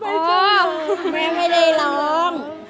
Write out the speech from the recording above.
ไม่ต้องร้องแม่ไม่ได้ร้อง